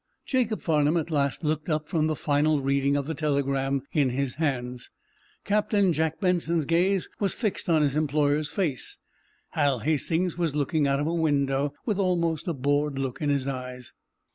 Jacob Farnum at last looked up from the final reading of the telegram in his hands. Captain Jack Benson's gaze was fixed on his employer's face. Hal Hastings was looking out of a window, with almost a bored look in his eyes.